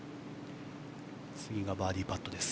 次がバーディーパットです。